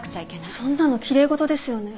そんなの奇麗事ですよね？